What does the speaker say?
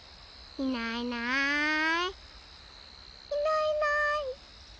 いないいない。